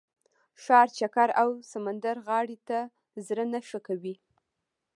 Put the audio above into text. ښار چکر او سمندرغاړې ته زړه نه ښه کوي.